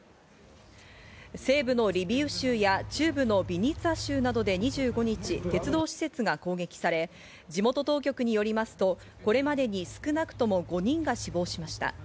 西部のリビウ州や中部のビニツァ州などで２５日、鉄道施設が攻撃され、地元当局によりますとこれまでに少なくとも５人が死亡しました。